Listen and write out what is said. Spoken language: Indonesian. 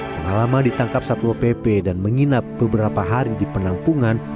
selama lama ditangkap satu opp dan menginap beberapa hari di penampungan